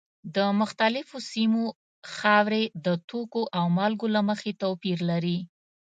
د مختلفو سیمو خاورې د توکو او مالګو له مخې توپیر لري.